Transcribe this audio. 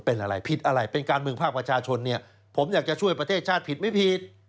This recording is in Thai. เป็นอะไรผิดอะไรเป็นการเมืองภาคประชาชนเนี่ยผมอยากจะช่วยประเทศชาติผิดไม่ผิด